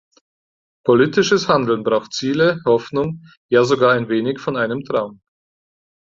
Politisches Handeln braucht Ziele, Hoffnung, ja sogar ein wenig von einem Traum.